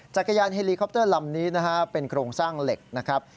จักรยานเฮลีคอปเตอร์ลำนี้นะฮะเป็นโครงสร้างเหล็กนะครับ